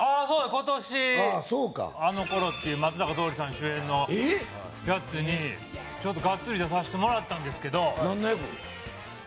今年「あの頃。」っていう松坂桃李さん主演のやつにガッツリ出させてもらったんですけど何の役？